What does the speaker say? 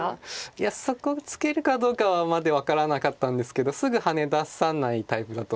いやそこツケるかどうかまでは分からなかったんですけどすぐハネ出さないタイプだと思います。